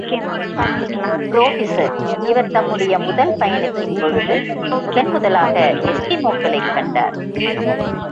Frobisher இவர் தம்முடைய முதல் பயணத்தின் பொழுது, முதன் முதலாக எஸ்கிமோக்களைக் கண்டார்.